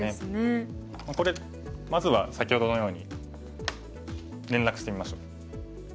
これまずは先ほどのように連絡してみましょう。